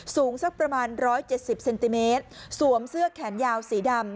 สูงสักประมาณ๑๗๐เซนติเมตรสวมเสื้อแขนยาวสีดำ